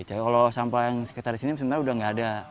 kalau sampah yang sekitar sini sebenarnya sudah tidak ada